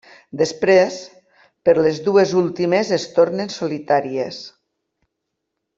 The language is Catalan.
Després, per les dues últimes es tornen solitàries.